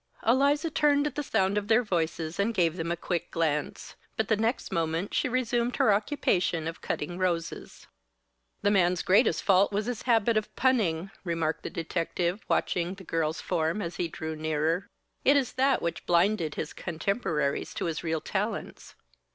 Eliza turned at the sound of their voices and gave them a quick glance. But the next moment she resumed her occupation of cutting roses. "The man's greatest fault was his habit of punning," remarked the detective, watching the girl's form as he drew nearer. "It is that which blinded his contemporaries to his real talents.